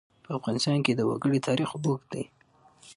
په افغانستان کې د وګړي تاریخ اوږد دی.